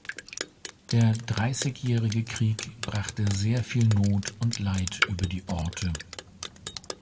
Der Dreißigjährige Krieg brachte sehr viel Not und Leid über die Orte.